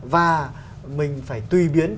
và mình phải tùy biến